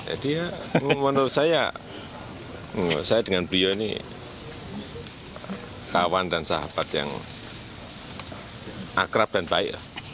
jadi ya menurut saya saya dengan beliau ini kawan dan sahabat yang akrab dan baik